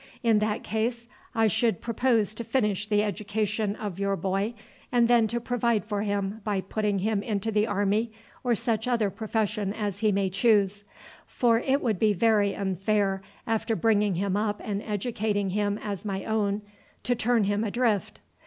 In that case I should propose to finish the education of your boy, and then to provide for him by putting him into the army, or such other profession as he may choose; for it would be very unfair after bringing him up and educating him as my own to turn him adrift.